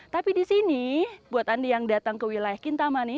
tapi di sini buat anda yang datang ke wilayah kintamani